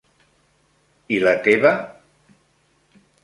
I la teva??